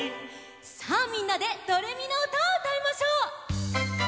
さあみんなで「ドレミのうた」をうたいましょう！